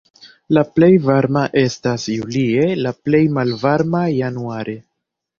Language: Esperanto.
La plej varma estas julie, la plej malvarma januare.